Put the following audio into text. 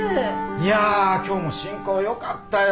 いや今日も進行よかったよ。